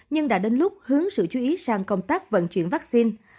nhưng đã đến lúc hướng sự chú ý sang công tác vận chuyển vaccine